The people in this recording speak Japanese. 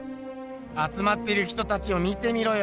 あつまってる人たちを見てみろよ。